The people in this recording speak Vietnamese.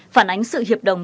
phản ánh sự hiệp đồng